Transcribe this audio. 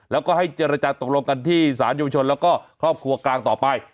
แล้วก็ให้เจรจาตกลงกันที่สารเยาวชนแล้วก็ครอบครัวกลางต่อไป